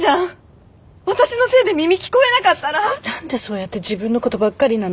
何でそうやって自分のことばっかりなの？